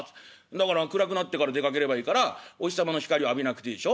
「だから暗くなってから出かければいいからお日様の光を浴びなくていいでしょ？